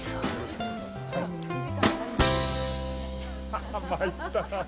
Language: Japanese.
ハハ参ったなぁ。